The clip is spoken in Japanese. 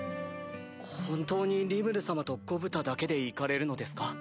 本当にリムル様とゴブタだけで行かれるのですか？